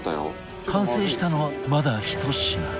完成したのはまだ１品